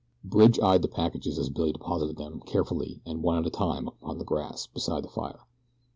Bridge eyed the packages as Billy deposited them carefully and one at a time upon the grass beside the fire.